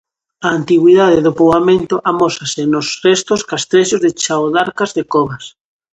A antigüidade do poboamento amósase nos restos castrexos de Chaodarcas de Covas.